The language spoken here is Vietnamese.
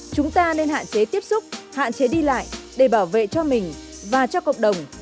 chúng ta nên hạn chế tiếp xúc hạn chế đi lại để bảo vệ cho mình và cho cộng đồng